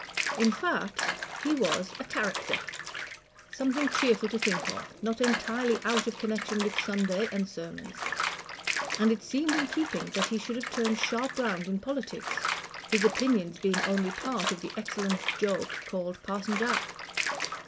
In fact, he was "a charicter " something cheerful to think of, not entirely out of connection with Sunday and sermons. And it seemed in keeping that he should have turned sharp round in politics, his opinions being only part of the excellent joke called Parson Jack.